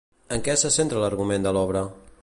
En què se centra l'argument de l'obra?